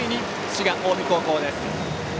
滋賀・近江高校です。